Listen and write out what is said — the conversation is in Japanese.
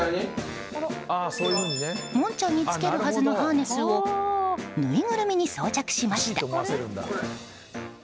もんちゃんに着けるはずのハーネスをぬいぐるみに装着しました。